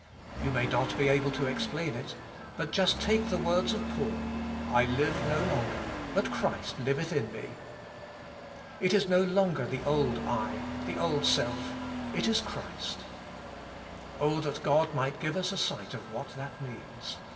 You may not be able to explain it, but just take the words of Paul, "I live no longer but Christ liveth in me. " It is no longer the old I, the old self, it is Christ. Oh that God might give us a sight of what that means.